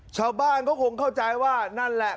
ชาวบ้านก็คงเข้าใจว่านั่นแหละ